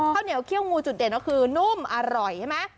ข้าวเหนียวเขี้ยวงูจุดเด่นก็คือนุ่มอร่อยใช่ไหม